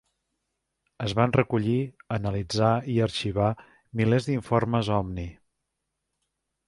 Es van recollir, analitzar i arxivar milers d'informes ovni.